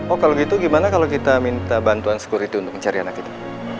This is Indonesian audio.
oh kalau gitu gimana kalau kita minta bantuan security untuk mencari anak ini